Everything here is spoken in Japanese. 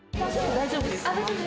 大丈夫です。